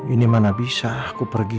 ini mana bisa aku pergi